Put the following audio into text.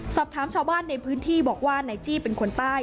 สอบถามชาวบ้านในพื้นที่บอกว่านายจี้เป็นคนใต้